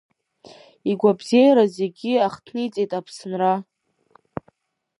Игәабзиара зегьы ахҭниҵеит Аԥсынра.